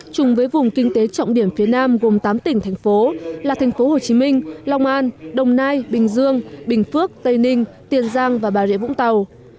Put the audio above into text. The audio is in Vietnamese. chung với vùng kinh tế trọng điểm phía nam gồm tám tỉnh thành phố là tp hcm long an đồng nai bình dương bình phước tây ninh tiền giang và bà rịa vũng tàu